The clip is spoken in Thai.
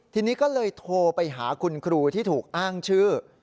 ทีนี้ก็เลยโทรไปหาคุณครูที่ถูกอ้างชื่อ